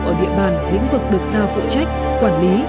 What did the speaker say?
ở địa bàn lĩnh vực được giao phụ trách quản lý